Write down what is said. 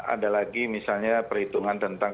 ada lagi misalnya perhitungan tentang